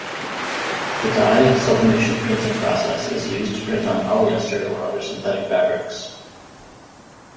The dye-sublimation printing process is used to print on polyester or other synthetic fabrics.